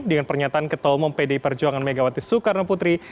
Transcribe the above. dengan pernyataan ketelumum pd perjuangan megawati soekarno putri